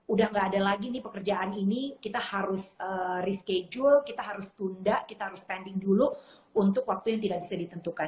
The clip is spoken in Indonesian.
udah gak ada lagi nih pekerjaan ini kita harus reschedule kita harus tunda kita harus spending dulu untuk waktu yang tidak bisa ditentukan